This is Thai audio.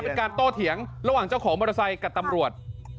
เป็นการโตเถียงระหว่างเจ้าของมอเตอร์ไซค์กับตำรวจ